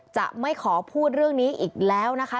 จะไม่ขอพูดเรื่องนี้อีกแล้วนะคะ